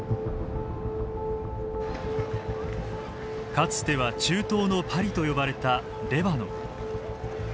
かつては中東のパリと呼ばれたレバノン。